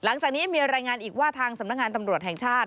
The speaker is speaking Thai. หลังจากนี้มีรายงานอีกว่าทางสำนักงานตำรวจแห่งชาติ